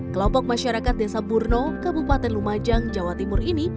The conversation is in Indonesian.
kelompok masyarakat desa burno kabupaten lumajang jawa timur ini